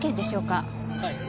はい。